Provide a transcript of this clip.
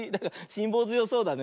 しんぼうづよそうだね。